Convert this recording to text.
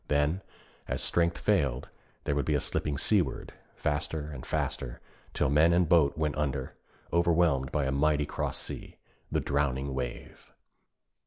Then, as strength failed, there would be a slipping seaward, faster and faster, till men and boat went under, overwhelmed by a mighty cross sea 'the drowning wave.'